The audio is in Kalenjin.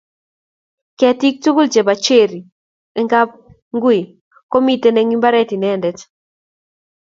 Ketiik tugul chebo Cherry eng' kapngui komitei eng imbaret inendet.